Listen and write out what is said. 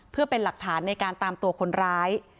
เพื่อเป็นหลักฐานในการตามตัวคนร้าย